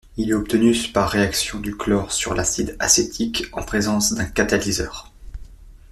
Il est obtenu par réaction du chlore sur l'acide acétique en présence d'un catalyseur.